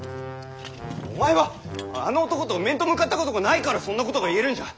お前はあの男と面と向かったことがないからそんなことが言えるんじゃ！